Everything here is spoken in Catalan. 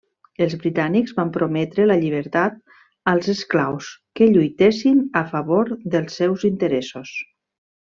Els britànics van prometre la llibertat als esclaus que lluitessin a favor dels seus interessos.